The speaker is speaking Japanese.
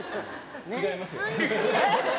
違いますよ。